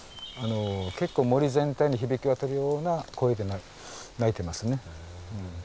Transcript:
結構森全体に響き渡るような声で鳴いてますね。